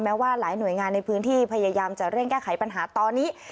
ว่าหลายหน่วยงานในพื้นที่พยายามจะเร่งแก้ไขปัญหาตอนนี้